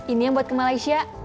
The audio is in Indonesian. ini yang buat ke malaysia